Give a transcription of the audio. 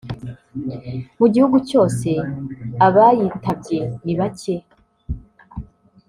Mu gihugu cyose abayitabye ni bake